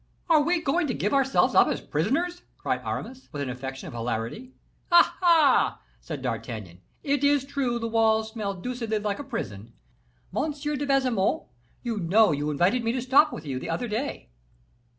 "Are we going to give ourselves up as prisoners?" cried Aramis, with an affection of hilarity. "Ah! ah!" said D'Artagnan; "it is true the walls smell deucedly like a prison. Monsieur de Baisemeaux, you know you invited me to sup with you the other day."